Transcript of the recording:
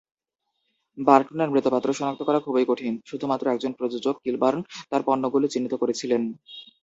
বার্টনের মৃৎপাত্র শনাক্ত করা খুবই কঠিন; শুধুমাত্র একজন প্রযোজক, কিলবার্ন তার পণ্যগুলি চিহ্নিত করেছিলেন।